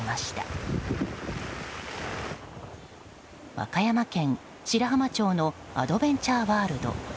和歌山県白浜町のアドベンチャーワールド。